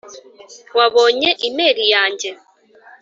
wabonye imeri yanjye?